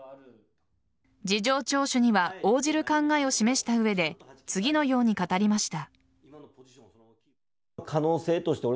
事情聴取には応じる考えを示した上で次のように語りました。